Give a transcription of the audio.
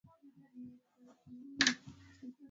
janga la homa ya ini linaloua kimyakimya